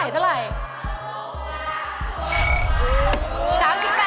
เท่าไหร่